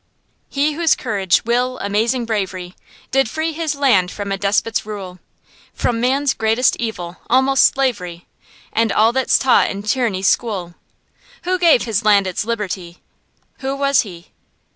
He whose courage, will, amazing bravery, Did free his land from a despot's rule, From man's greatest evil, almost slavery, And all that's taught in tyranny's school. Who gave his land its liberty, Who was he?